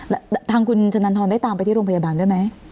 แล้วทางคุณชนันทรได้ตามไปที่โรงพยาบาลด้วยไหม